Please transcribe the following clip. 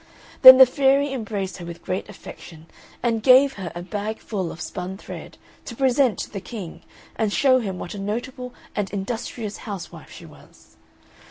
Then the fairy embraced her with great affection, and gave her a bag full of spun thread, to present to the King and show him what a notable and industrious housewife she was.